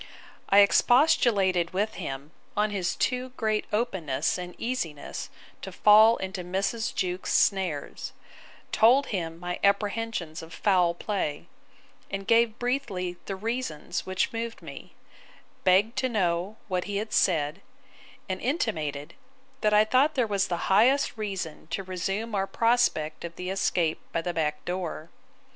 I expostulated with him on his too great openness and easiness to fall into Mrs. Jewkes's snares: told him my apprehensions of foul play; and gave briefly the reasons which moved me: begged to know what he had said; and intimated, that I thought there was the highest reason to resume our prospect of the escape by the back door.